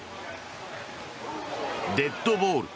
デッドボール。